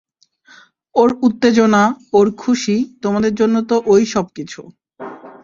ওর উত্তেজনা, ওর খুশি, তোমাদের জন্য তো ওই সবকিছু।